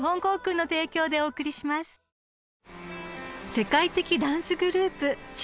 ［世界的ダンスグループｓ＊＊